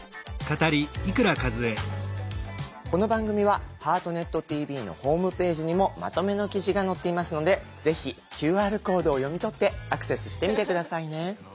この番組は「ハートネットＴＶ」のホームページにもまとめの記事が載っていますのでぜひＱＲコードを読み取ってアクセスしてみて下さいね。